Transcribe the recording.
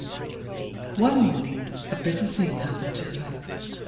One morning a bitter thing happened to her.